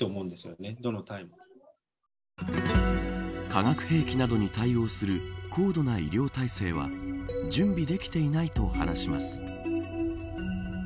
化学兵器などに対応する高度な医療体制は準備できていないといいます。